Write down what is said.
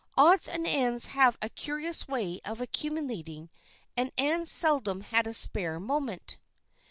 Odds and ends have a curious way of accumulating and Ann seldom had a spare moment.